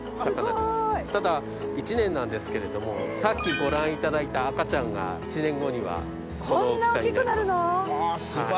ただ１年なんですけれどもさっきご覧いただいた赤ちゃんが１年後にはこの大きさになります。